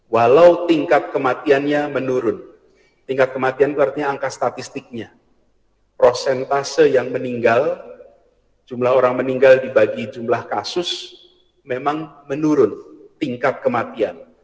walau tingkat kematiannya menurun tingkat kematian itu artinya angka statistiknya prosentase yang meninggal jumlah orang meninggal dibagi jumlah kasus memang menurun tingkat kematian